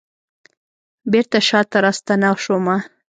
بیرته شاته راستنه شومه